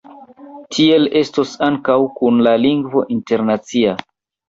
Tiel estos ankaŭ kun la lingvo internacia.